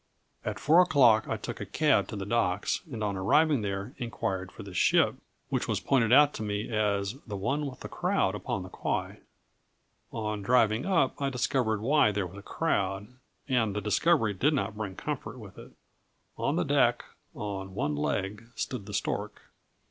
At four o'clock I took a cab to the docks, and on arriving there, inquired for the ship, which was pointed out to me as "the one with the crowd upon the quay." On driving up, I discovered why there was a crowd, and the discovery did not bring comfort with it. On the deck, on one leg, stood the stork.